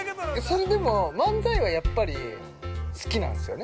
それでも、漫才はやっぱり好きなんすよね？